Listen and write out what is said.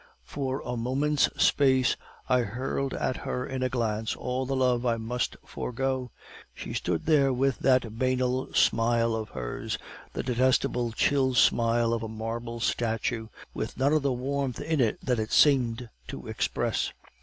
"For a moment's space I hurled at her in a glance all the love I must forego; she stood there with than banal smile of hers, the detestable chill smile of a marble statue, with none of the warmth in it that it seemed to express.